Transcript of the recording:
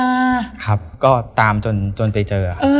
พ่อประตูครับก็ตามจนไปเจอค่ะ